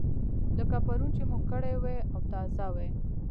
لکه پرون چې مو کړې وي او تازه وي.